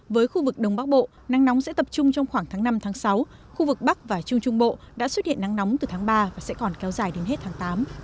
với khu vực đông bắc bộ nắng nóng sẽ tập trung trong khoảng tháng năm tháng sáu khu vực bắc và trung trung bộ đã xuất hiện nắng nóng từ tháng ba và sẽ còn kéo dài đến hết tháng tám